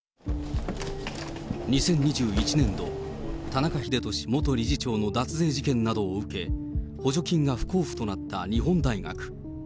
２０２１年度、田中英壽元理事長の脱税事件などを受け、補助金が不交付となった日本大学。